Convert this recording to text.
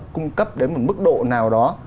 cung cấp đến một mức độ nào đó